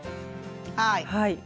はい。